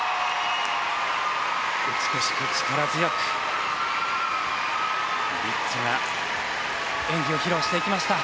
美しく力強く、リッツォが演技を披露していきました。